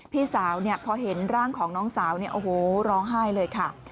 พี่สาวพอเห็นร่างของน้องสาวเนี่ยโอ้โหร้องไห้เลยค่ะ